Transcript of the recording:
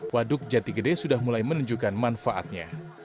waduk jati gede sudah mulai menunjukkan manfaatnya